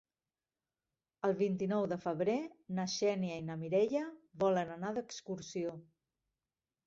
El vint-i-nou de febrer na Xènia i na Mireia volen anar d'excursió.